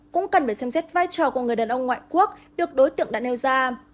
cũng cần phải xem xét vai trò của người đàn ông ngoại quốc được đối tượng đã nêu ra